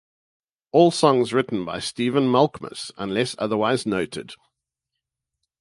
All songs written by Stephen Malkmus unless otherwise noted.